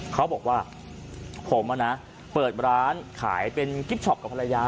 เขาบอกว่าผมเปิดร้านขายเป็นกิ๊บช็อปกับภรรยา